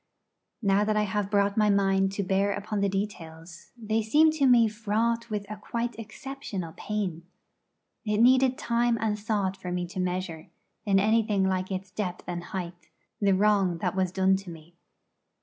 Now that I have brought my mind to bear upon the details, they seem to me fraught with a quite exceptional pain. It needed time and thought for me to measure, in anything like its depth and height, the wrong that was done to me.